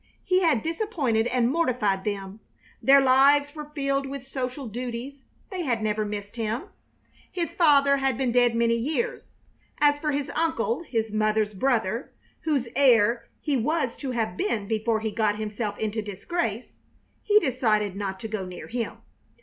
He had disappointed and mortified them; their lives were filled with social duties; they had never missed him. His father had been dead many years. As for his uncle, his mother's brother, whose heir he was to have been before he got himself into disgrace, he decided not to go near him.